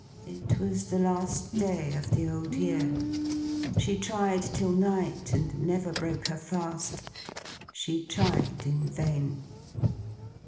It was the last day of the Old Year. She tried till night, and never broke her fast. She tried in vain.